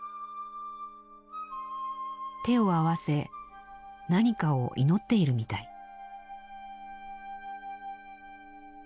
手を合わせ何かを祈っているみたい。